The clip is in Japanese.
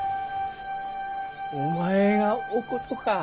お前がおことか。